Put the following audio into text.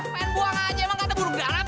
pengen buang aja emang kata burung dara pak